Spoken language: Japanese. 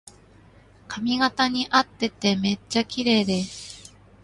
髪型にあっててめっちゃきれいです